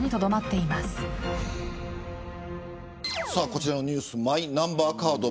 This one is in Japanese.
こちらのニュースマイナンバーカード